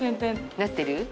なってる？